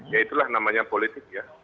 ya itulah namanya politik ya